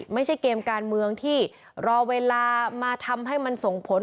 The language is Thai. ไม่ใช่เกมการเมืองที่รอเวลามาทำให้มันส่งผล